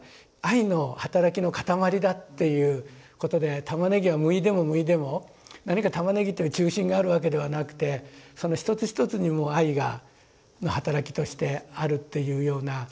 愛の働きの塊りだっていうことで玉ねぎはむいでもむいでも何か玉ねぎという中心があるわけではなくてその一つ一つにも愛が働きとしてあるというような。